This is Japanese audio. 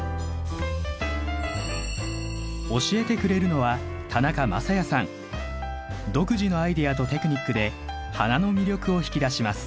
教えてくれるのは独自のアイデアとテクニックで花の魅力を引き出します。